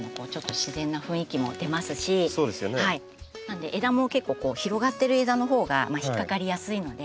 なので枝も結構広がってる枝のほうが引っ掛かりやすいので。